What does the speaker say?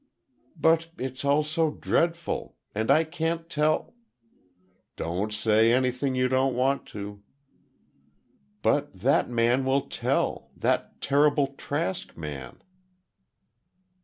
"But it's all so dreadful—and I can't tell—" "Don't tell anything you don't want to—" "But that man will tell. That terrible Trask man."